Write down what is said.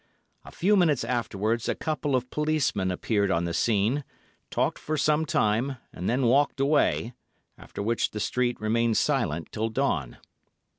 A few minutes afterwards a couple of policemen appeared on the scene, talked for some time, and then walked away, after which the street remained silent till dawn.